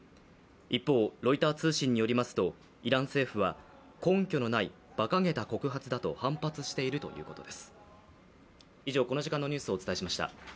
一方、ロイター通信によりますと、イラン政府は、根拠のないばかげた告発だと反発しているということです。